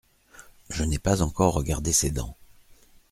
Je n’ai pas encore regardé ses dents…